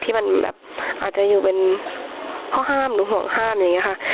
ที่มันแบบอาจจะอยู่เป็นข้อห้ามหรือห่วงห้ามอะไรอย่างนี้ค่ะ